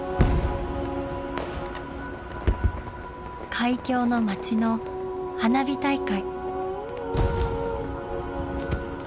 海峡の町の花火大会。